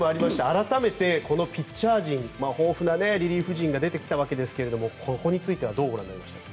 改めてこのピッチャー陣豊富なリリーフ陣が出てきたわけですがここについてはどうご覧になりましたか？